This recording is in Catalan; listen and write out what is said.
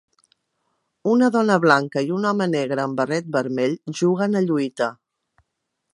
Una dona blanca i un home negre amb barret vermell juguen a lluita.